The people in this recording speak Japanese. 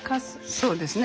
そうですね。